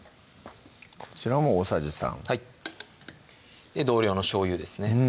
こちらも大さじ３はい同量のしょうゆですね